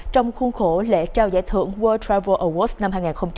trong khuôn khổ lễ trao giải thưởng world travel awards năm hai nghìn hai mươi